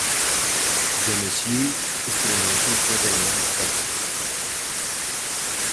Demessieux estrenó su "Te Deum op.